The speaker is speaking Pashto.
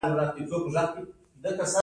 د علامه حبیبي د خولې روایت دی.